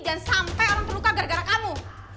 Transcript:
jangan sampai orang terluka gara gara kamu